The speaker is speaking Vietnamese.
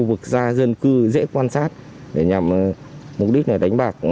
các khu vực ra dân cư dễ quan sát để nhằm mục đích đánh bạc